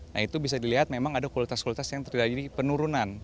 nah itu bisa dilihat memang ada kualitas kualitas yang terjadi penurunan